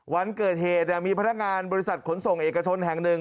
วันเกิดเหตุมีพนักงานบริษัทขนส่งเอกชนแห่งหนึ่ง